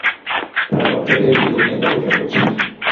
তারা বাচ্চাদের জীবন নিয়ে ব্যাবসা করছে।